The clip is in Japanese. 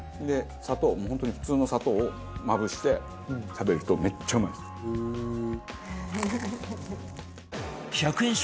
もう本当に普通の砂糖をまぶして食べるとめっちゃうまいですよ。